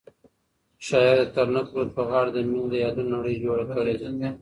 شاعر د ترنګ رود په غاړه د مینې د یادونو نړۍ جوړه کړې ده.